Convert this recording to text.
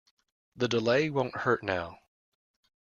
The delay won't hurt now.